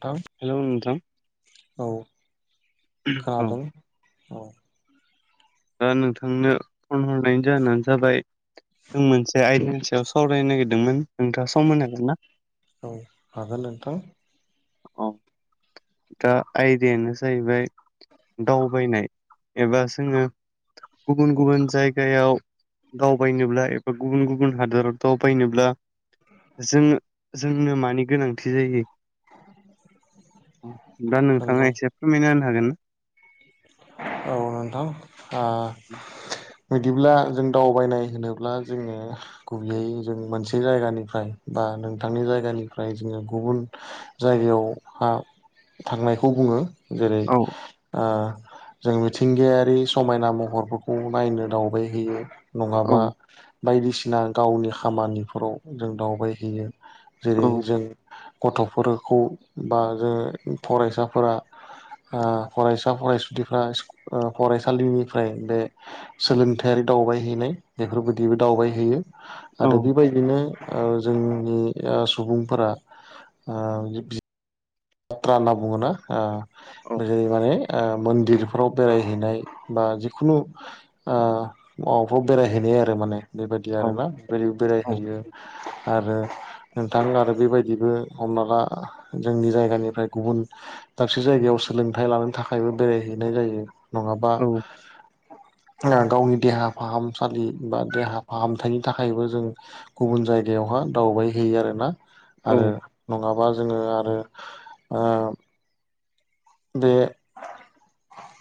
नोंथां औ औ खोनादोंं। औ दा नोंथांनो फन हरनायनि जाहोनानो जाबाय जों मोनसे आयदा। याव सावरायनो नागिरदोंमोन नोंथाङा सम मोन हागोन ना? औ हागोन नोंथां औ। दा आयदायानो जाहैबाय दावबायनाय एबा जोङो। गुबुन गुबुन जायगायाव। दावबायनोब्ला एबा गुबुन गुबुन हादराव दावबायनोब्ला। जों जोंनो मानि गोनांथि जायो? दा नंगौ नोंथाङा एसे फोरमायना होनो हागोन ना? औ नोंथां। बिदिब्ला जों दावबायनाय होनोब्ला जोङो गुबैयै जों मोनसे जायगानिफ्राय बा नोंथांनि जायगानिफ्राय जोङो गुबुन जायगायावहा थांनायखौ बुङो जेरै औ जों मिथिंगायारि समायना महरफोरखौ नायनो दावबायहैयो। औ नङाबा बायदिसिना गावनि खामानिफोराव जों दावबायहैयो। औ जेरै जों गथ'फोरखौ बा जोङो फरायसाफोरा ओ फरायसा फरायसु फ्रालि फरायसालिनिफ्राय बे सोलोंथायारि दावबायहैनाय बेफोरबायदि बे दावबायहैयो आरो औ बेबायदिनो ओ जोंनि ओ सुबुंफोरा ओ बाथ्रा होनना बुङोना ओ औ जै माने मन्दिरफ्राव बेरायहैनाय बा जिखुनु ओ माबाफ्राव बेरायहैनाय आरो माने बेबायदि औ आरोना बे औ बेरायहैयो। आरो नोंथां आरो बेबायदिबो हमना ला जोंनि जायगा जायगानिफ्राय गुबुन दाबसे जायगायाव सोलोंथाइ लानो थाखायबो बेरायहैनाय जायो। नङाबा औ गावनि देहा फाहामसालि बा देहा फाहामथायनि थाखायबो जों गुबुन जायगायावहाय दावबायहैयो आरो ना। आरो नङाबा जोङो आरो ओ बे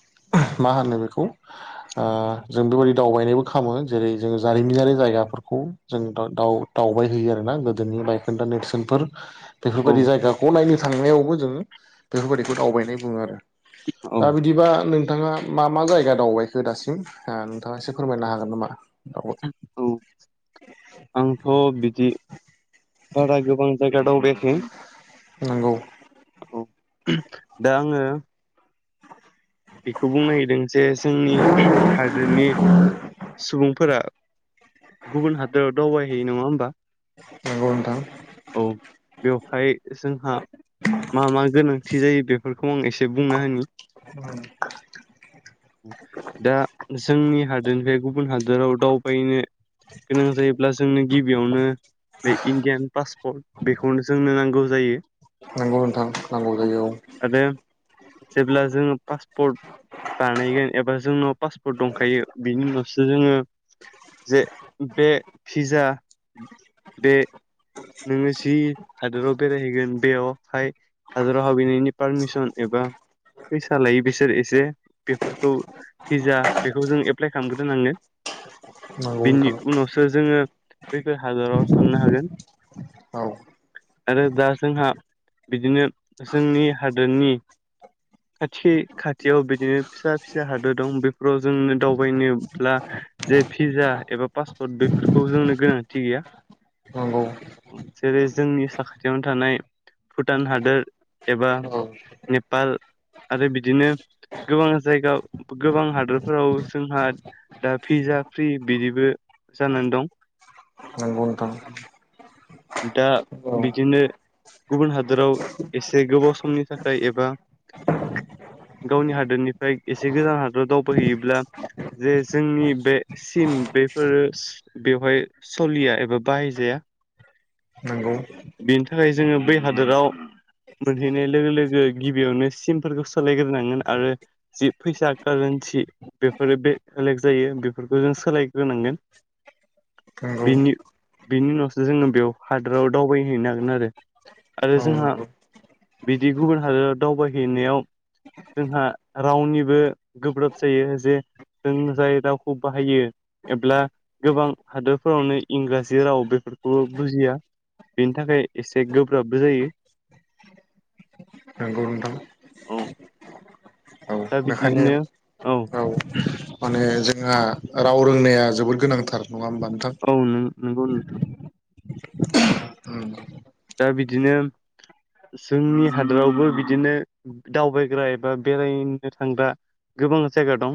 [unintelligible] मा होनो बेखौ ओ जों बेबायदि दावबायनोबो खालामो जेरै जोङो जारिमिनारि जायगाफोरखौ खौ जों दाव दावबायहैयो आरोना गोदोनि बायखोन्दा नेरसोनफोर बेफोरबायदि औ जायगाखौ नायनो थांनायावबो जोङो बेफोरबायदिखौ दावबायनाय बुङो आरो। औ दा बिदिबा नोंथाङा मा मा जायगा दावबायखो दासिम ओ नोंथाङा एसे फोरमायनो हागोन नामा दावबाय औ आंथ' बिदि बारा गोबां जायगा दावबाया खै नंगौ [unintelligible] बेखौ बुंनो नागिरदों जे जोंनि हादोरनि सुबुंफोरा गुबुन हादोराव दावबायहैयो नङा होमबा? नंगौ नोंथां। औ बेवहाय जोंहा मा मा गोनांथि जायो बेफोरखौ आं एसे बुंना होनि दा जोंनि हाद रनिफ्राय गुबुन हादोराव दावबायनो गोनां जायोब्ला जोंनो गिबियावनो बे इण्डियान पासपर्ट बेखौनो जोंनो नांगौ जायो। नंगौ नोंथां नांगौ जायो औ आरो जेब्ला जोङो पासपर्ट बानायगोन एबा जोंनाव पासपर्ट दंखायो बिनि उनावसो जोङो जे बे भिजा बे नोङो जि हादोराव बेरायहैगोन बेयाव हाय हादराव हाबैनायनि पारमिसन एबा फैसा लायो बिसोर एसे बेफोरखौ भिजा बेखौ जों एप्लाइ खालामग्रोनोनांगोन। नंगौ बिनि नोंथां उनावसो जोङो बैफोर हादराव थांनो हागोन। औ आरो दा जोंहा बिदिनो जोंनि हादोरनि खाथि खाथियाव बिदिनो फिसा फिसा हादर दं बेफोराव जोंनो दावबायनोब्ला जे भिजा एबा पासपर्ट बेफोरखौ जोंनो गोनांथि गैया। नंगौ जेरै जोंनि साखाथियावनो थानाय भुटान हादोर एबा औ नेपाल आरो बिदिनो गोबां जायगा गोबां हादरफोराव जोंहा दा भिजा फ्रि बिदिबो जानानै दं। [unintelligible] दा औ बिदिनो गुबुन हादोराव एसे गोबाव समनि थाखाय एबा गावनि हादोरनिफ्राय एसे गोजान हादरोराव दावबायहैयोब्ला जे जोंनि बे सिम बेफोरो बेवहाय सलिया एबा बाहायजाया नोंगौ बिनि थाखाय जोङो बै हादोराव मोनहैनाय लोगो लोगो गिबियावनो सिमफोरखौ सालायग्रोनांगोन आरो जि फैसा कार [unintelligible] बेफोरो बे बेलेग जायो बेफोरखौ जों सोलायग्रोनांगोन नंगौ बेनि उनावसो जोङो बेयाव हादोराव दावबायहैनो हागोन आरो आरो औ जोंहा नंगौ बिदि गुबुन हादोराव दावबायहैनायाव जोंहा रावनिबो गोब्राब जायो जे जों जाय रावखौ बाहायो एब्ला गोबां हादोरफोरावनो इंराजि राव बेफोरखौबो बुजिया बेनि थाखाय एसे गोब्राबबो जायो नंगौ नोंथां औ औ दा बेखायनो बिदिनो औ माने जोंहा राव रोंनाया जोबोद गोनांथार नङा होमबा नोंथां औ नों नंगौ उम दा बिदिनो जोंनि हादोरावबो बिदिनो दावबायग्रा एबा बेरायनो थांग्रा गोबां जायगा दं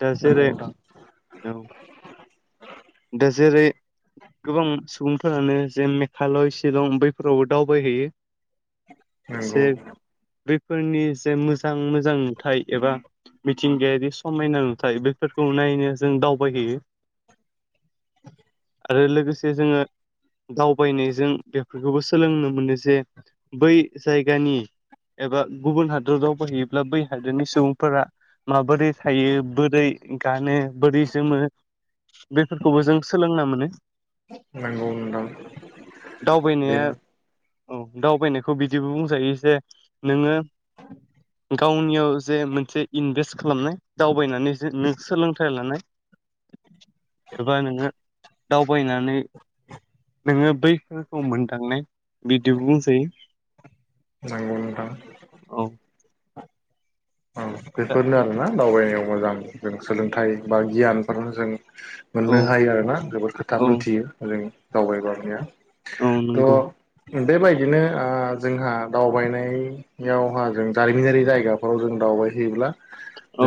दा नंगौ जेरै नोंथां औ दा जेरै गोबां सुबुं फोरानो जे मेघालय शिलं बैफोरावबो दावबायहैयो नंगौ बेफोरनि जे मोजां मोजां नुथाय एबा मिथिंगायारि समायना नुथाय बे फोरखौ नायनो जों दावबायहैयो आरो लोगोसे जोङो दावबायनायजों बेफोरखौबो सोलोंनो मोनो जे बै जायगानि एबा गुबुन हादर दावबायहैयोब्ला बै हादरनि सुबुंफोरा माबोरै थायो बोरै गानो बोरै जोमो बेफोरखौबो जों सोलोंना मोनो नंगौ नोंथां दावबायनाया बेनो औ दावबायनायखौ बिदिबो बुंजायो जे नोङो गावनियाव जे मोनसे इनभेस्ट खालामनाय दावबायनानै जे नों सोलोंथाइ लानाय एबा नोङो दावबायनानै नोङो बैफोरखौ मोनदांनाय बिदि नंगौ नोंथां बुंजायो औ औ दा बेफोरनो आरोना दावबायनायाव मोजां जों सोलोंथाइ बा गियानफोर जों औ मोननो हायो आरोना जोबोद खोथा औ मोनथियो जों दावबायनाया ओ नंगौ बेबायदिनो जोंहा दावबायनायावहा जों जारिमिनारि जायगाफोराव जों दावबाय होयोब्ला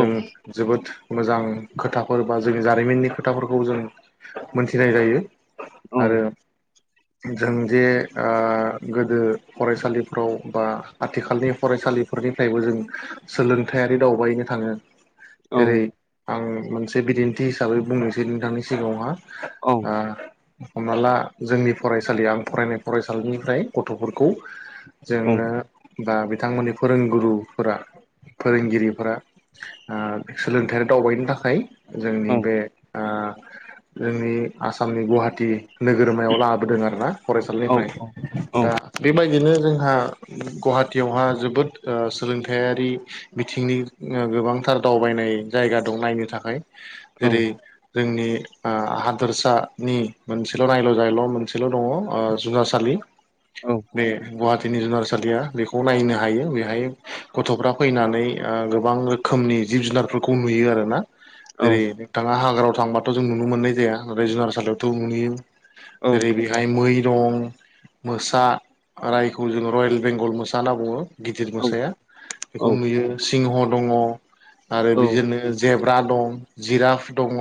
औ जोबोद मोजां खोथाफोर बा जोंनि जारिमिननि खोथाफोरखौ जों मोनथिनाय जायो औ आरो जों जे गोदो फरायसालिफ्राव बा आथिखालनि फरायसा फरायसालिफोरनिफ्रायबो जों सोलोंथायारि दावबायनो थाङो औ जेरै आं मोनसे बिदिन्थि हिसाबै बुंनोसै नोंथांनि सिगाङावहा औ हमना ला जोंनि फरायसालियाव आं फरायनाय फरायसालिनिफ्राय गथ'फोरखौ औ जोङो बा बिथांमोननि फोरोंगुरुफोरा फोरोंगिरिफोरा सोलोंथारि दावबायनो थाखाय जोंनि बे आं जोंनि आसामनि गुवाहाटी नोगोरमायाव लाबोदों आरोना फरायसालिनिफ्राय औ औ दा बेबायदि बेनो जोंहा गुवाहाटीयावहा जोबोद सोलोंथायारि बिथिंनि गोबांथार दावबायनाय जायगा दं नायनो थाखाय औ जेरै जोंनि हादोरसानि मोनसेल' नायल' जायल' मोनसेल' दङ जुनारसालि औ बे गुवाहाटिनि जुनारसालिया बेखौ नायनो हायो बेहाय गथ'फ्रा फैनानै गोबां रोखोमनि जिब जुनारफोरखौ नुयो आरोना औ जेरै नोंथाङा हाग्रायाव थांबाथ' जों नुनो मोननाय ओमफाय जुनारसालियावथ' नुयो औ जेरै बेहाय मै दं मोसा जायखौ जोंङ रयेल बेंगल मोसा होनना बुङो गिदिर औ मोसाया बेखौ औ नुयो सिंह दङ आरो औ बिजोंनो जेब- ब्रा दं जिराप दङ'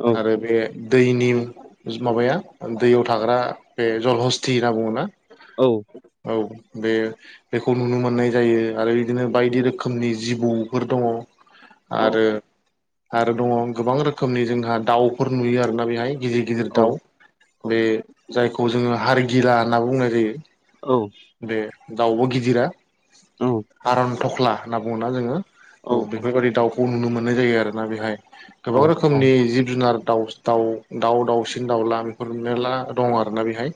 औ आरो बे दैनि माबाया दैयाव थाग्रा बे जल हस्ति होनना बुङोना औ औ बे बेखौ नुनो मोननाय जायो आरो बिदिनो बायदि रोखोम रोखोमनि जिबौफोर दङ औ आरो आरो दङ गोबां रोखोमनि जोंहा दाउफोर नुयो आरोना बेहाय गिदिर गिदिर औ दाउ बे जायखौ जोङो हारगिला होनना बुंनाय जायो बे दाउब' गिदिरा औ हारान थख्ला होनना बुङो जोङो औ औ बेफोरबायादि दाउखौ नुनो मोननाय जायो आरोना बेहाय गोबां रोखोमनि जिब जुनार दाउ दा दाउ दाउसिन दाउला बेफोरनो ला दं आरोना बेहाय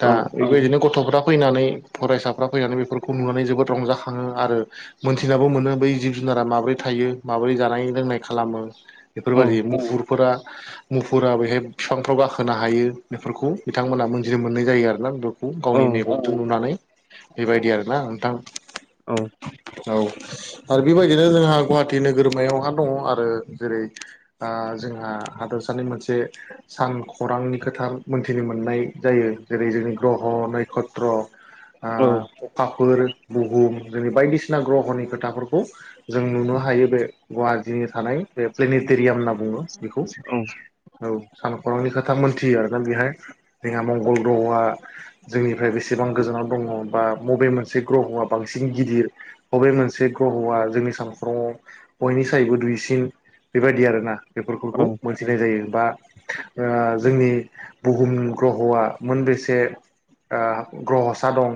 दा बेबायदिनो गथ'फोर आं फैनानै फरायसाफ्रा फैनानै बेफोरखौ नुनानै जोबोद रंजाखाङो आरो मोनथिनाबो मोनो बै जिब जुनारा माबोरै थायो माबोरै जानाय लोंनाय खालामो औ बेफोरबायादि मुफुरफोरा मुफुरा बेहाय बिफांफ्राव गाखोनो हायो बेफोरखौ बिथांमोना मोनथिनो मोननाय जायो आरोना गावनि मेगनजों नुनानै बेबायदि आरोना नोंथां औ औ आरो बेबायदिनो जोंहा गुवाहाटि नोगोरमायावहा दङ आरो जेरै ओ जोंहा हादरसानि मोनसे सानखौरांनि खोथा मोनथिनो मोननाय जायो जेरै जों ग्रह' नक्षेत्र ओ अखाफोर बुहुम‌ बेबायदिनो बायदिसिना ग्रहनि खोथाफोरखौ जों नुनो हायो बे गुवाहाटिनि थानाय बे प्लेनेटेरियाम होनना बुङो बेखौ औ सानखौरांनि खोथा मोनथियो आरोना बेहाय जोंहा मंगल ग्रह'आ जोंनिफ्राय बेसेबां गोजान दङ बा बबे मोनसे ग्रहआ बांसिन गिदिर बबे मोनसे ग्रह'आ जोंनि सानखौरांआव बयनिसायबो दुइसिन बेबायदि आरोना बेफोरखौ मोनथिनाय जायो बा जोंनि बुहुम ग्रह'आ मोनबेसे ओ ग्रहसा दं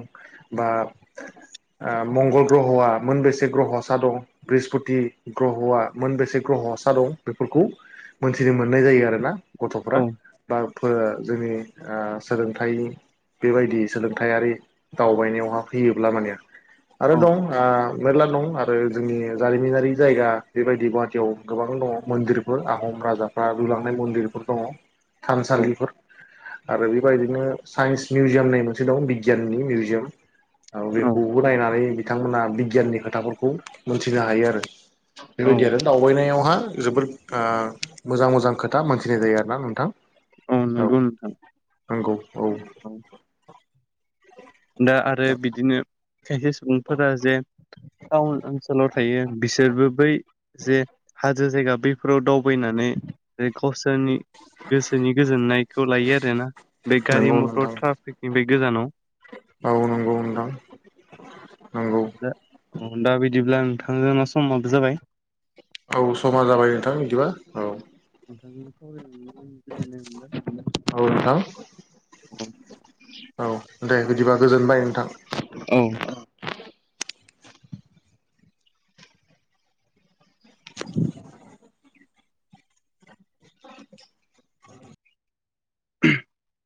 बा ओ मंगल ग्रह'आ मोनबेसे ग्रह'सा दं बृहस्पति ग्रह'आ मोनबेसे ग्रह'सा दं बेफोरखौ मोनथिनो मोननाय जायो आरोना गथ'फोरा बा जोंनि ओ सोलोंथाइ बेबायदि सोलोंथायारि दावबायनायावहा फैयोब्ला माने आरो दं ओ मेरला दं आरो जोंनि जारिमिनारि जायगा बेबायदि गुवाहाटियाव गोबां दङ मन्दिरफोर आहम राजाफ्रा लुलांनाय मन्दिरफोर दङ थानसालिफोर आरो बेबायदिनो साइन्स मिउजियाम होननाय मोनसे दं बिगियाननि मिउजियाम औ बेखौबो नायनानै बिथांमोना बिगियाननि खोथाफोरखौ मोनथिनो हायो आरो बेबायदि आरो दावबायनायावहा जोबोद ओ मोजां मोजां खोथा मोनथिनाय जायो आरो ना नोंथां औ नंगौ नोंथां नंगौ औ दा आरो बिदिनो खायसे सुबुंफोरा जे टाउन ओनसोलाव थायो बिसोरबो बै जे हाजो जायगा बैफोराव दाव बैनानै जे गावसोरनि गोसोनि गोजोननायखौ लायो आरोना बे गारि नंगौ मटर नोंथां ट्राफिकनि बे गोजानाव औ नोंगौ नोंथां नंगौ द अ दा बिदिब्ला नोंथां समाबो जाबाय। औ समा जाबाय नोंथां बिदिबा औ और [unintelligible] औ नोंथां औ औ दे बिदिबा गोजोनबाय नोंथां औ [unintelligible]